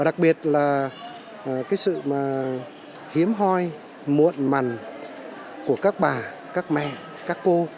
đặc biệt là sự hiếm hoi muộn mằn của các bà các mẹ các cô